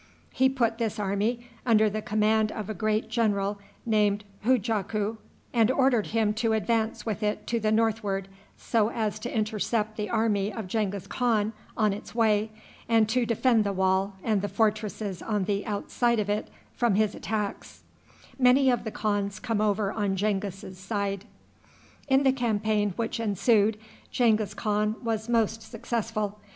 He put this army under the command of a great general named Hujaku, and ordered him to advance with it to the northward, so as to intercept the army of Genghis Khan on its way, and to defend the wall and the fortresses on the outside of it from his attacks. In the campaign which ensued Genghis Khan was most successful.